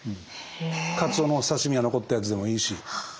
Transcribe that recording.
かつおのお刺身が残ったやつでもいいし。